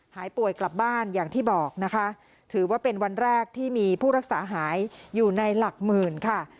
หายป่วยกลับบ้านอย่างที่บอกนะคะถือว่าเป็นวันแรกที่มีผู้รักษาหายอยู่ในหลักหมื่นค่ะ